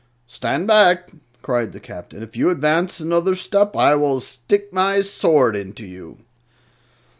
"Stand back!" cried the Captain. "If you advance another step I will stick my sword into you."